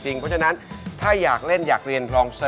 เพราะฉะนั้นถ้าอยากเล่นอยากเรียน